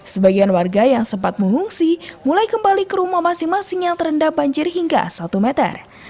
sebagian warga yang sempat mengungsi mulai kembali ke rumah masing masing yang terendam banjir hingga satu meter